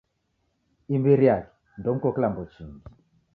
Imbiri yake ndomko kilambo chingi.